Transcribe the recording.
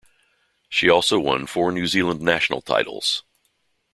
She also won four New Zealand national titles.